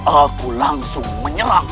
aku langsung menyerang